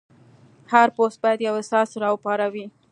هر پوسټ باید یو احساس راوپاروي.